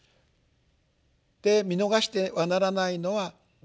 で見逃してはならないのは第三景。